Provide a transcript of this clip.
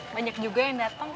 banyak juga yang dateng